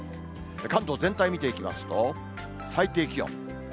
関東全体見ていきますと、最低気温。